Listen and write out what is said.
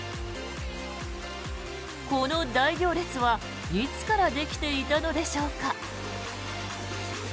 この大行列はいつからできていたのでしょうか。